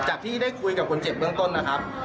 ที่ได้คุยกับคนเจ็บเบื้องต้นนะครับ